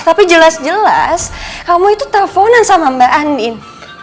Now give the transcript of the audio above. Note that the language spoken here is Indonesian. tapi jelas jelas kamu itu teleponan sama mbak andin